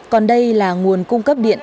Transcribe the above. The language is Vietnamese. còn đây là nguồn cung cấp điện